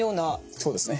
そうですね。